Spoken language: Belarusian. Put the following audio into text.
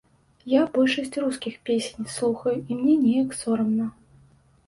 Я большасць рускіх песень слухаю, і мне неяк сорамна.